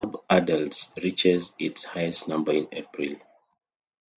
The population of subadults reaches its highest number in April.